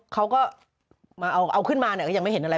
เขาก็เอาขึ้นมายังไม่เห็นอะไร